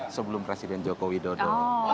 sebelum presiden joko widodo